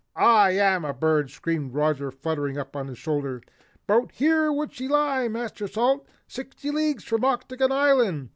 "I AM a bird," screamed Roger fluttering up to his shoulder. "'Bout here she would lie, Master Salt, sixty leagues from Octagon Island."